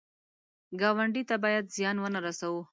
ګاونډي ته باید زیان ونه رسوو